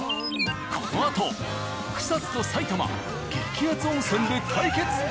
このあと草津と埼玉激熱温泉で対決。